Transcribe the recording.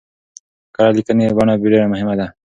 کره ليکنۍ بڼه ډېره مهمه ده.